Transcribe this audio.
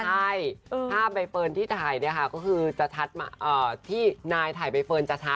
ใช่ถ้าใบเฟิร์นที่ถ่ายนะคะก็คือที่นายถ่ายใบเฟิร์นจะชัด